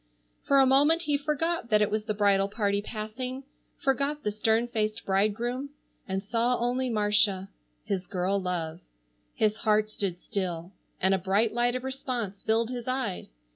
For a moment he forgot that it was the bridal party passing, forgot the stern faced bridegroom, and saw only Marcia—his girl love. His heart stood still, and a bright light of response filled his eyes.